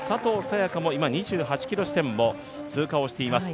也伽も今、２８ｋｍ地点を通過しています